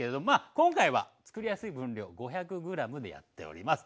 今回はつくりやすい分量５００ｇでやっております。